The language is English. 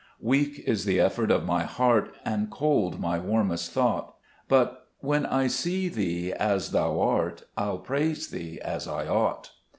6 Weak is the effort of my heart, And cold my warmest thought ; But when I see Thee as Thou art, I'll praise Thee as I ought.